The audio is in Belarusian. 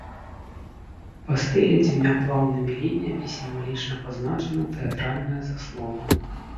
Па стэле дзвюма плаўнымі лініямі сімвалічна пазначана тэатральная заслона.